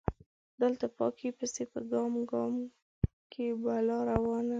دلته پاکۍ پسې په ګام ګام کې بلا روانه